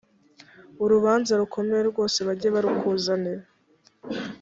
urubanza rukomeye rwose bajye barukuzanira